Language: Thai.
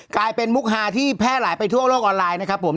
กลายเป็นมุกฮาที่แพร่หลายไปทั่วโลกออนไลน์นะครับผม